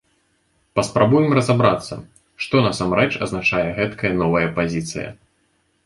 Паспрабуем разабрацца, што насамрэч азначае гэткая новая пазіцыя.